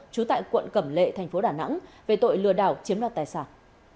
chú tại quận cẩm lệ thành phố đà nẵng về tội lừa đảo chiếm đặt tài sản